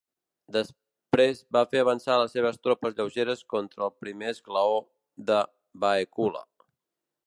Després va fer avançar les seves tropes lleugeres contra el primer esglaó de Baecula.